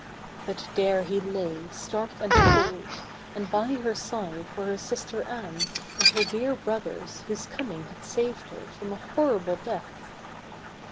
But there he lay, stark and cold, and by her side were her sister Anne, and her dear brothers whose coming had saved her from a horrible death.